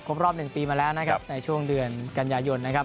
รอบหนึ่งปีมาแล้วนะครับในช่วงเดือนกันยายนนะครับ